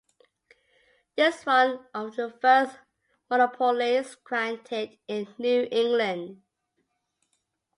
This was one of the first monopolies granted in New England.